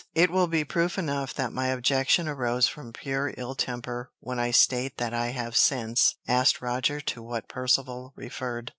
It will be proof enough that my objection arose from pure ill temper when I state that I have since asked Roger to what Percivale referred.